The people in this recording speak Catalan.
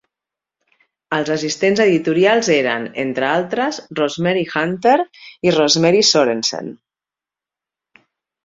Els assistents editorials eren, entre altres, Rosemary Hunter i Rosemary Sorensen.